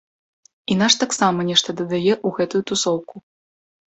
І наш таксама нешта дадае ў гэтую тусоўку.